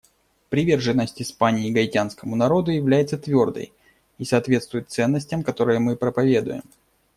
Приверженность Испании гаитянскому народу является твердой и соответствует ценностям, которые мы проповедуем.